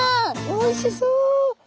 おいしそう。